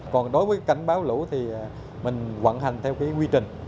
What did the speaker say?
còn đối với cảnh báo lũ thì mình hoạt hành theo quy trình